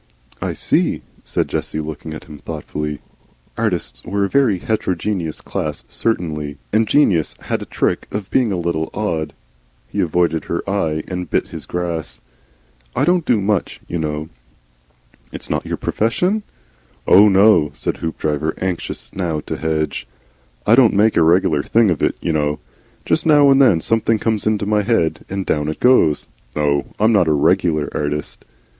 "I see," said Jessie, looking at him thoughtfully. Artists were a very heterogeneous class certainly, and geniuses had a trick of being a little odd. He avoided her eye and bit his grass. "I don't do MUCH, you know." "It's not your profession? "Oh, no," said Hoopdriver, anxious now to hedge. "I don't make a regular thing of it, you know. Jest now and then something comes into my head and down it goes. No I'm not a regular artist."